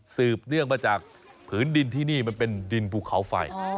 เนื่องมาจากผืนดินที่นี่มันเป็นดินภูเขาไฟ